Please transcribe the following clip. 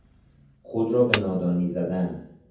خود را به نادانی زدن